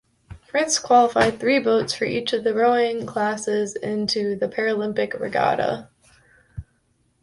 France qualified three boats for each of the rowing classes into the Paralympic regatta.